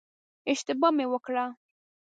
اشتباه مې وکړه.